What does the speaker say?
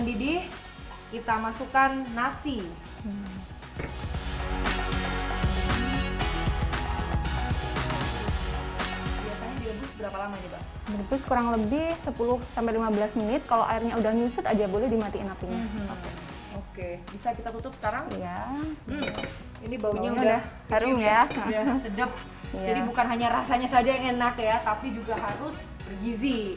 jadi bukan hanya rasanya saja yang enak ya tapi juga harus bergizi